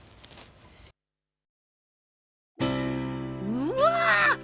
うわ！